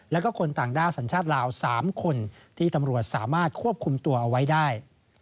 แล้วก็คนต่างด้าวสัญชาติลาว๓คนที่ตำรวจสามารถควบคุมตัวเอาไว้ได้